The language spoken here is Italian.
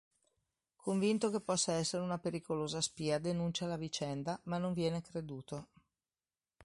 Convinto che possa essere una pericolosa spia, denuncia la vicenda, ma non viene creduto.